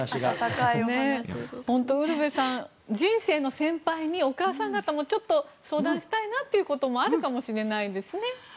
本当、ウルヴェさん人生の先輩にお母さん方も相談したいなということもあるかもしれないですね。